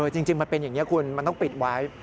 จริงมันเป็นอย่างนี้คุณมันต้องปิดไว้